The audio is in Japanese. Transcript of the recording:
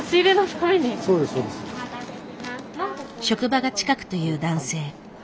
職場が近くという男性。